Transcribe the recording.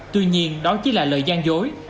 tuy nhiên đó chỉ là lời gian dối